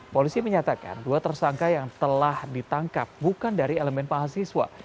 polisi menyatakan dua tersangka yang telah ditangkap bukan dari elemen mahasiswa